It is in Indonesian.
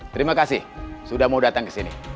terima kasih sudah mau datang ke sini